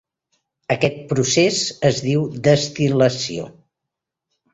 Aquest procés es diu destil·lació.